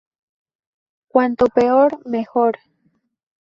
Cuanto peor, mejor